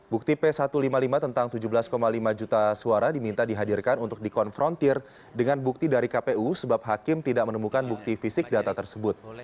bukti p satu ratus lima puluh lima tentang tujuh belas lima juta suara diminta dihadirkan untuk dikonfrontir dengan bukti dari kpu sebab hakim tidak menemukan bukti fisik data tersebut